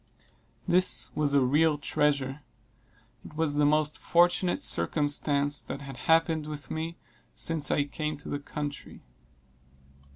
This was a real treasure it was the most fortunate circumstance that had happened with me since I came to the country.